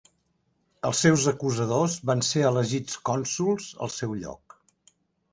Els seus acusadors van ser elegits cònsols al seu lloc.